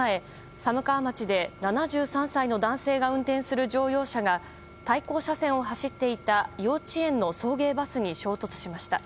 寒川町で７３歳の男性が運転する乗用車が対向車線を走っていた幼稚園の送迎バスに衝突しました。